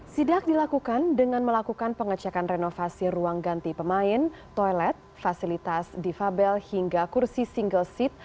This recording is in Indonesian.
sidak dilakukan dengan melakukan pengecekan renovasi ruang ganti pemain toilet fasilitas difabel hingga kursi single seat